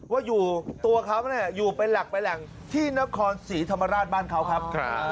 ว่าตัวเขาอยู่ไปหลักที่นครศรีธรรมราชบ้านเขาครับ